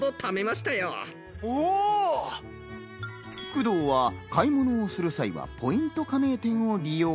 工藤は買い物をする際はポイント加盟店を利用。